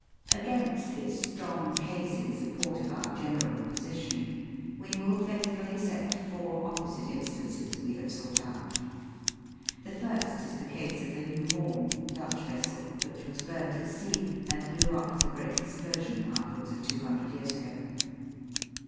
Against this strong case in support of our general position, we will faithfully set four opposite instances we have sought out. The first is the case of the New Horn, Dutch vessel, which wras burnt at sea and blew up with a great explosion, upwards of two hundred years ago.